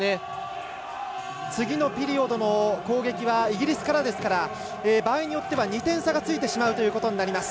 次のピリオドも攻撃はイギリスからですから場合によっては２点差がついてしまうということになります。